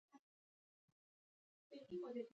د زکام د بندیدو لپاره د پیاز او شاتو ګډول وکاروئ